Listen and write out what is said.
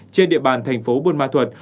trên địa bàn thành phố buôn ma thuật